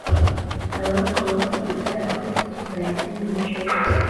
abakuweho ibyaha twese tuzajya mwijuru